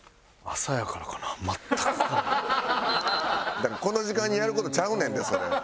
だからこの時間にやる事ちゃうねんでそれ。